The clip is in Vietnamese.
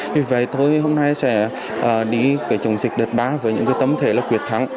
vì vậy tôi hôm nay sẽ đi trồng dịch đợt ba với những tấm thể quyệt thắng